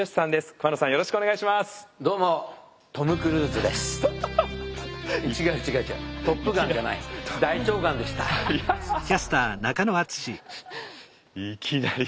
いきなり。